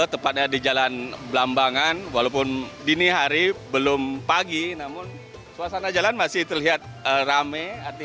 tepatnya di jalan belambangan walaupun dini hari belum pagi namun suasana jalan masih terlihat rame